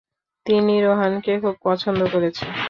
তিনি রোহানকে খুব পছন্দ করেছে।